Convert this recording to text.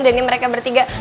dan ini mereka bertiga